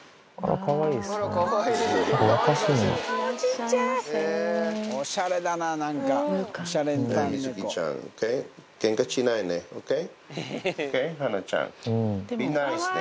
かわいいですね。